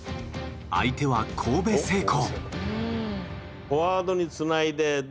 相手は神戸製鋼。